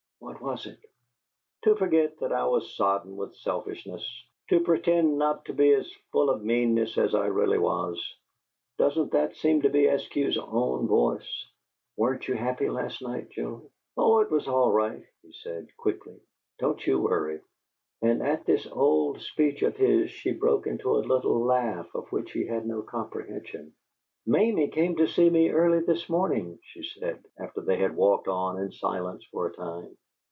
"What was it?" "To forget that I was sodden with selfishness; to pretend not to be as full of meanness as I really was! Doesn't that seem to be Eskew's own voice?" "Weren't you happy last night, Joe?" "Oh, it was all right," he said, quickly. "Don't you worry." And at this old speech of his she broke into a little laugh of which he had no comprehension. "Mamie came to see me early this morning," she said, after they had walked on in silence for a time.